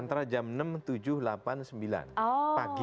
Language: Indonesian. antara jam enam tujuh delapan sembilan pagi